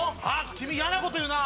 君嫌なこと言うな。